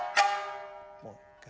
もう一回。